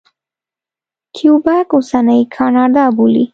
کیوبک اوسنۍ کاناډا بولي.